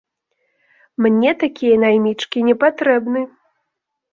Мне такія наймічкі непатрэбны!